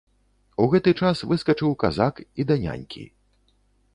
У гэты час выскачыў казак і да нянькі.